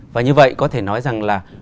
và như vậy có thể nói rằng là